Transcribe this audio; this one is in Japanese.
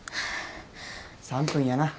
３分やな。